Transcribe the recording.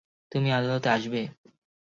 তুমি আদালতে আসবে?